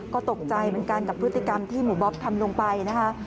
ก็ตกใจเหมือนกันกับพฤติกรรมที่หมู่บ๊อบทำลงไปนะคะ